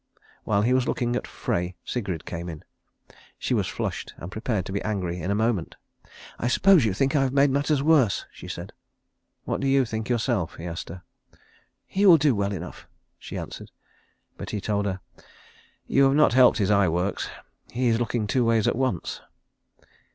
While he was looking at Frey Sigrid came in. She was flushed, and prepared to be angry in a moment. "I suppose you think I have made matters worse," she said. "What do you think yourself?" he asked her. "He will do well enough," she answered. But he told her, "You have not helped his eye works. He is looking two ways at once."